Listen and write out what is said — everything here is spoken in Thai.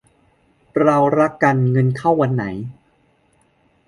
เรารักกัน เงินเข้าวันไหน